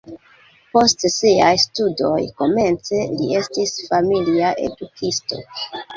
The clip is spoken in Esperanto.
Post siaj studoj komence li estis familia edukisto.